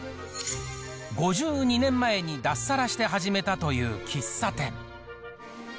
５２年前に脱サラして始めたという喫茶店。